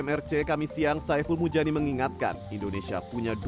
ekonomi hancur kan begitu